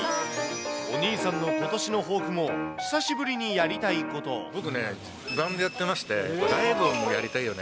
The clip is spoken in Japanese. お兄さんのことしの抱負も、僕ね、バンドやってまして、ライブをやりたいよね。